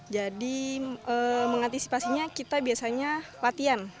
jadi mengantisipasinya kita biasanya latihan